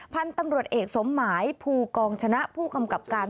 พันธุ์ตำรวจเอกสมหมายภูกองชนะผู้กำกับการ